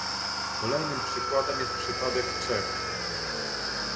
Kolejnym przykładem jest przypadek Czech